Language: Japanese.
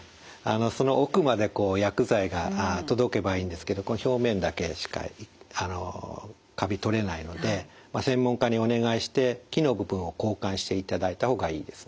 その奥まで薬剤が届けばいいんですけど表面だけしかカビ取れないので専門家にお願いして木の部分を交換していただいた方がいいですね。